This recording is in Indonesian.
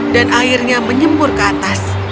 dan airnya menyembur ke atas